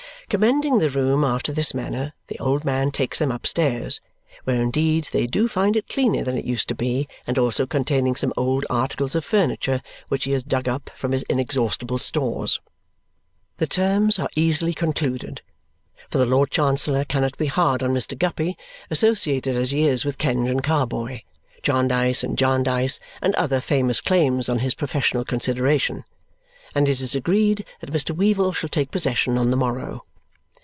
Commending the room after this manner, the old man takes them upstairs, where indeed they do find it cleaner than it used to be and also containing some old articles of furniture which he has dug up from his inexhaustible stores. The terms are easily concluded for the Lord Chancellor cannot be hard on Mr. Guppy, associated as he is with Kenge and Carboy, Jarndyce and Jarndyce, and other famous claims on his professional consideration and it is agreed that Mr. Weevle shall take possession on the morrow.